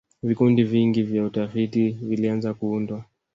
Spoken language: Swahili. vikundi vingi vya utafiti vilianza kuundwa